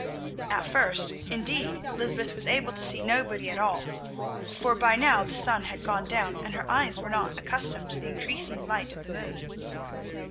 At first, indeed, Lysbeth was able to see nobody at all, for by now the sun had gone down and her eyes were not accustomed to the increasing light of the moon.